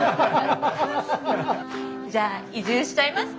じゃあ移住しちゃいますか。